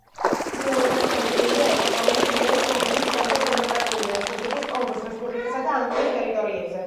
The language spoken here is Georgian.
მთლიანობაში განფენილია ეკვატორული გვინეის, გაბონის, კონგოს დემოკრატიული რესპუბლიკის, კონგოს რესპუბლიკისა და ანგოლის ტერიტორიებზე.